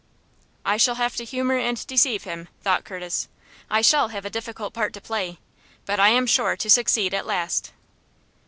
"I shall have to humor and deceive him," thought Curtis. "I shall have a difficult part to play, but I am sure to succeed at last."